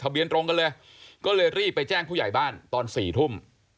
เบียนตรงกันเลยก็เลยรีบไปแจ้งผู้ใหญ่บ้านตอน๔ทุ่ม